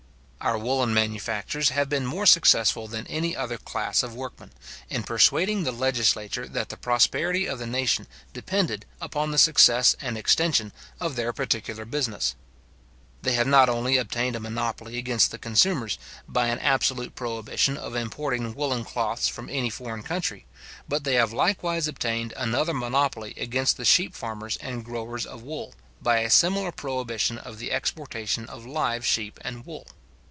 Our woollen manufacturers have been more successful than any other class of workmen, in persuading the legislature that the prosperity of the nation depended upon the success and extension of their particular business. They have not only obtained a monopoly against the consumers, by an absolute prohibition of importing woollen cloths from any foreign country; but they have likewise obtained another monopoly against the sheep farmers and growers of wool, by a similar prohibition of the exportation of live sheep and wool.